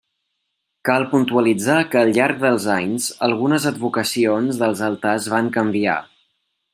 Cal puntualitzar que al llarg dels anys algunes advocacions dels altars van canviar.